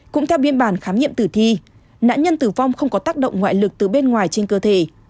cũng theo biên bản khám nghiệm tử thi nạn nhân tử vong không có tác động ngoại lực từ bên ngoài trên cơ thể